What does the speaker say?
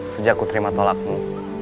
sejak ku terima tolakmu